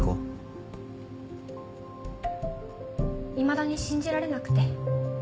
いまだに信じられなくて。